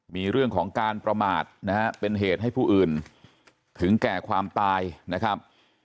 มีเรื่องของการประมาทนะฮะเป็นเหตุให้ผู้อื่นถึงแก่ความตายนะครับ